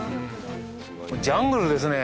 ジャングルですね。